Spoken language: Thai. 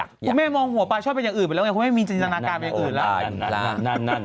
คุณแม่มองหัวปลาชอบเป็นอย่างอื่นไปแล้วไงคุณแม่มีจินตนาการไปอย่างอื่นแล้ว